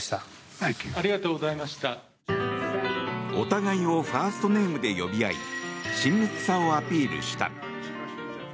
お互いをファーストネームで呼び合い親密さをアピールした。